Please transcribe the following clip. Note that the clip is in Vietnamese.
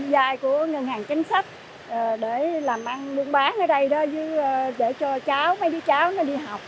dài của ngân hàng tránh sách để làm ăn buôn bán ở đây đó để cho mấy đứa cháu nó đi học